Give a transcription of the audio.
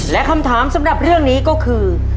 และคำถามสำหรับเรื่องนี้ก็คือ